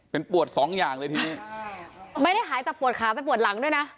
เป็นปวดสองอย่างเลยทีนี้ไม่ได้หายจากปวดขาไปปวดหลังด้วยนะ